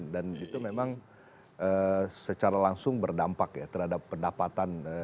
dan itu memang secara langsung berdampak ya terhadap pendapatan